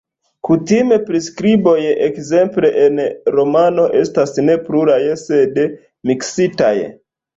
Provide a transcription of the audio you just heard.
Kutime priskriboj, ekzemple en romano, estas ne puraj sed miksitaj.